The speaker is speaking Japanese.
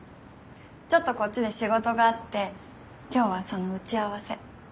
ちょっとこっちで仕事があって今日はその打ち合わせ。